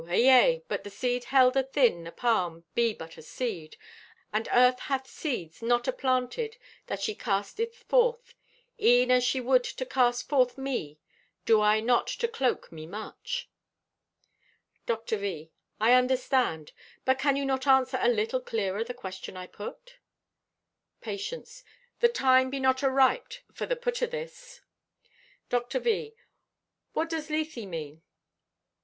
Ayea, but the seed held athin the palm be but a seed, and Earth hath seeds not aplanted that she casteth forth, e'en as she would to cast forth me, do I not to cloak me much." Dr. V.—"I understand; but can you not answer a little clearer the question I put?" Patience.—"The time be not ariped for the put o' this." Dr. V.—"What does Lethe mean?"